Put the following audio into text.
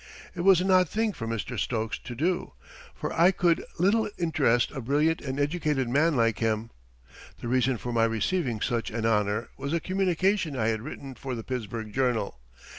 It was an odd thing for Mr. Stokes to do, for I could little interest a brilliant and educated man like him. The reason for my receiving such an honor was a communication I had written for the "Pittsburgh Journal."